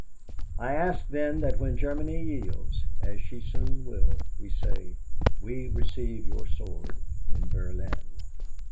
"'I ask, then, that when Germany yields as she soon will we say, "We receive your sword in Berlin."